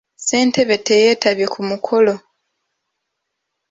Ssentebe teyetabye ku mukolo.